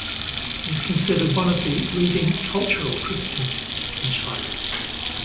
He is considered one of the leading "cultural Christians" in China.